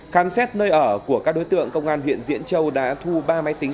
khám xét nơi ở của các đối tượng công an huyện diễn châu đã thu ba máy tính